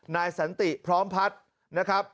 นายสัญภัณฑ์พร้อมพลักษณ์